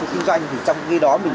với kinh doanh trong khi đó mình